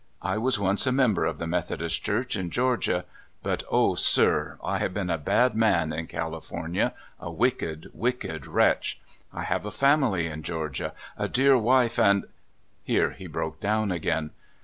I was once a mem ber of the Methodist Church, in Georgia; but O sir, I have been a bad man in CaHfornia — a wick ed, wicked wretch! I have a family in Georgia, a dear wife and "— Here he broke down again.